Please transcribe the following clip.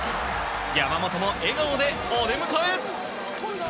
山本も笑顔でお出迎え！